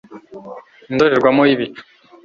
Indorerwamo yibicu